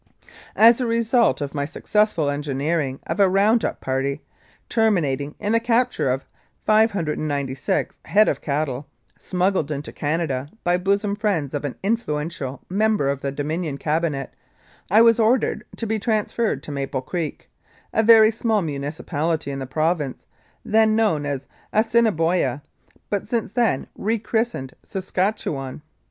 * As a result of my successful engineering of a round up party, terminating in the capture of 596 head of cattle, smuggled into Canada by bosom friends of an influential member of the Dominion Cabinet, I was ordered to be transferred to Maple Creek, a very small municipality in the Province, then known as Assiniboia, but since then re christened Saskatchewan.